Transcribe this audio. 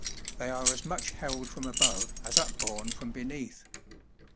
They are as much held from above as upborne from beneath.